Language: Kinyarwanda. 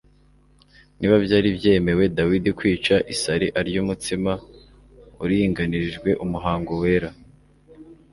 Niba byari byemerewe Dawidi kwica isari arya umutsima uringanirijwe umuhango wera,